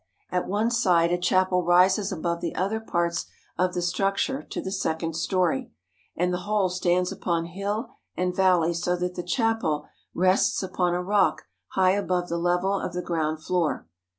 At one side a chapel rises above the other parts of the structure to the second story, and the whole stands upon hill and valley so that the chapel rests upon a rock high above the level of the ground floor.